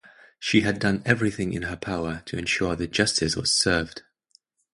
She had done everything in her power to ensure that justice was served.